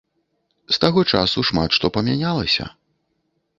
З таго часу шмат што памянялася.